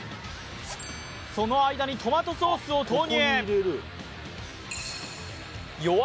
その間にトマトソースを投入。